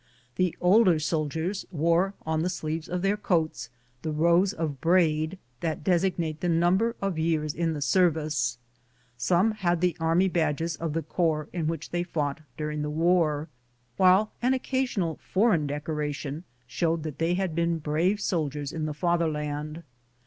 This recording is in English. The older soldiers wore, on the sleeves of their coats, the rows of braid that designate the number of years in the service. Some had the army badges of the corps in which they fought during the war, while an occasional foreign decoration showed that they had been brave soldiers in the fatherland.